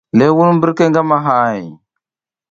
Lewun birke ngamahay.